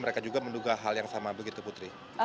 mereka juga menduga hal yang sama begitu putri